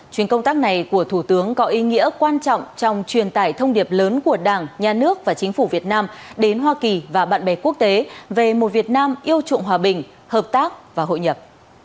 chuyến công tác này của thủ tướng có ý nghĩa quan trọng trong truyền tải thông điệp lớn của đảng nhà nước và chính phủ việt nam đến hoa kỳ và bạn bè quốc tế về một việt nam yêu trụng hòa bình hợp tác và hội nhập